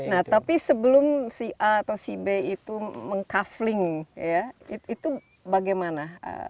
nah tapi sebelum si a atau si b itu mengkafling ya itu bagaimana